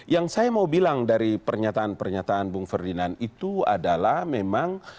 yang saya mau bilang dari pernyataan pernyataan bung ferdinand itu adalah memang